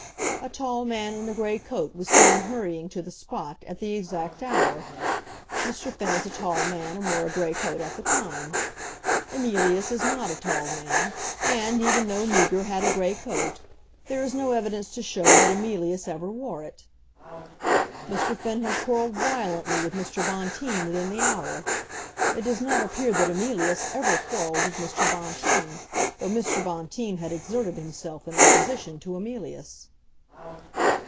A tall man in a grey coat was seen hurrying to the spot at the exact hour. Mr. Finn is a tall man and wore a grey coat at the time. Emilius is not a tall man, and, even though Meager had a grey coat, there is no evidence to show that Emilius ever wore it. Mr. Finn had quarrelled violently with Mr. Bonteen within the hour. It does not appear that Emilius ever quarrelled with Mr. Bonteen, though Mr. Bonteen had exerted himself in opposition to Emilius."